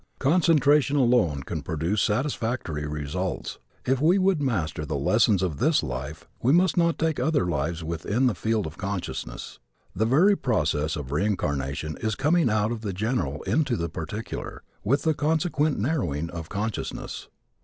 Concentration alone can produce satisfactory results. If we would master the lessons of this life we must not take other lives within the field of consciousness. The very process of reincarnation is a coming out of the general into the particular, with the consequent narrowing of consciousness.